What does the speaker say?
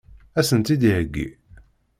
Ad sen-tt-id-iheggi?